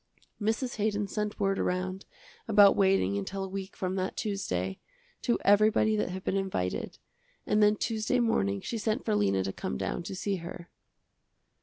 Mrs. Haydon sent word around, about waiting until a week from that Tuesday, to everybody that had been invited, and then Tuesday morning she sent for Lena to come down to see her.